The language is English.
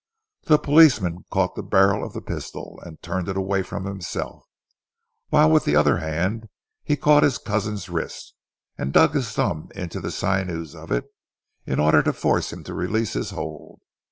The policeman caught the barrel of the pistol, and turned it away from himself, whilst with the other hand he caught his cousin's wrist, and dug his thumb into the sinews of it, in order to force him to release his hold.